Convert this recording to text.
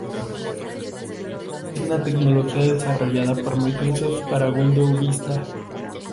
Es una tecnología desarrollada por Microsoft para Windows Vista.